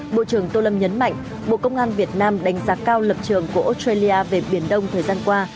bộ trưởng tô lâm nhấn mạnh bộ công an việt nam đánh giá cao lập trường của australia về biển đông thời gian qua